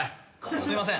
すいません。